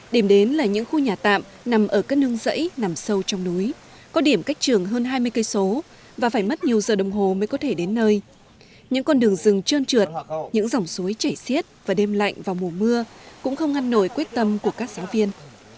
điểm đến là những khu nhà tạm nằm ở các nương rẫy nằm sâu trong núi có điểm cách trường hơn hai mươi km và phải mất nhiều giờ đồng hồ mới có thể đến nơi những con đường rừng trơn trượt những dòng suối chảy xiết và đêm lạnh vào mùa mưa cũng không ngăn nổi quyết tâm của các giáo viên